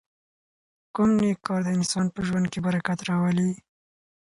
کوم نېک کار د انسان په ژوند کې برکت راولي؟